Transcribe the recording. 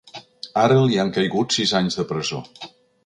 Ara li han caigut sis anys de presó.